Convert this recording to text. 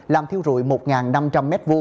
làm thiếu rụi một năm trăm linh m hai